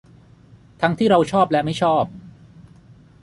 ทั้งที่เราชอบและไม่ชอบ